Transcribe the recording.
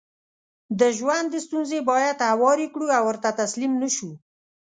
دژوند ستونزې بايد هوارې کړو او ورته تسليم نشو